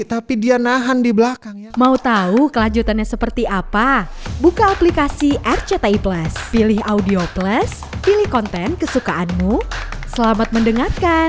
tapi dia nahan di belakang